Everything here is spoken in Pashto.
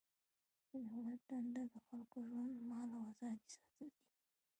د دولت دنده د خلکو ژوند، مال او ازادي ساتل دي.